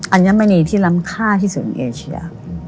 อันนี้ไม่มีที่รำค่าที่สุดของเอเชีย